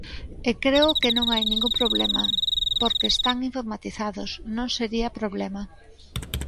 E creo que non hai ningún problema, porque están informatizados, non sería problema.